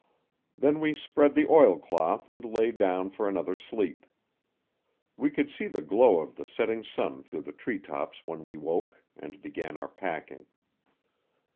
Then we spread the oilcloth and lay down for another sleep. We could see the glow of the setting sun through the tree tops when we woke, and began our packing.